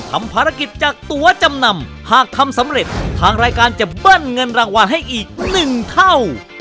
ทำภารกิจจากตัวจำนำหากทำสำเร็จทางรายการจะเบิ้ลเงินรางวัลให้อีกหนึ่งเท่า